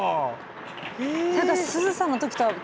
何かすずさんの時とは。